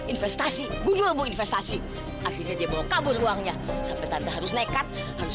investasi gunung investasi akhirnya dia bawa kabur uangnya sampai tanda harus nekat harus